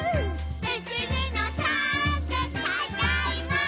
「いちにのさ−んでただいまー！」